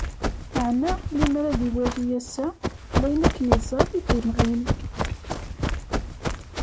Meεna, limer ad iwali ass-a, d ayen akken iẓẓa i d-imɣin.